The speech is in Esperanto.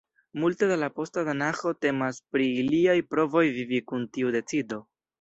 Multe da la posta Tanaĥo temas pri iliaj provoj vivi kun tiu decido.